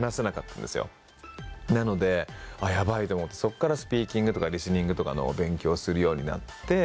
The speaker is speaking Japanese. なので「あっヤバい」と思ってそっからスピーキングとかリスニングとかのお勉強をするようになって。